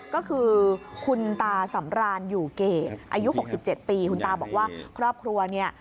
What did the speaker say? ก็คือคุณตาสำรานอยู่เกรดอายุ๖๗ปีคุณตาบอกว่าครอบครัวเนี่ย